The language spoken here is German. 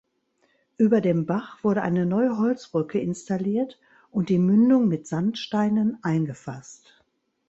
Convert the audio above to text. Über dem Bach wurde eine neue Holzbrücke installiert und die Mündung mit Sandsteinen eingefasst.